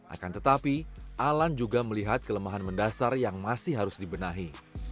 akan tetapi alan juga melihat kelemahan mendasar yang masih harus dibenahi